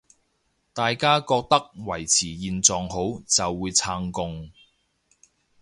大家覺得維持現狀好，就會撐共